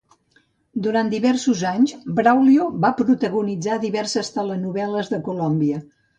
Durant diversos anys, Braulio va protagonitzar diverses telenovel·les de Colòmbia.